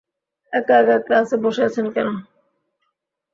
এক একা ক্লাসে বসে আছেন কেন?